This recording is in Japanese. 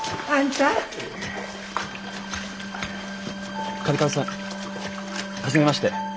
嘉手刈さん初めまして。